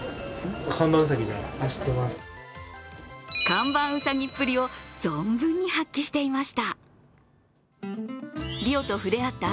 看板うさぎっぷりを存分に発揮していました。